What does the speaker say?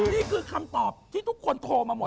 นี่คือคำตอบที่ทุกคนโทรมาหมด